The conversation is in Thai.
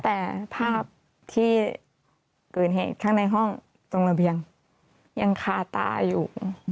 แต่ภาพที่เกิดเหตุข้างในห้องตรงระเบียงยังคาตาอยู่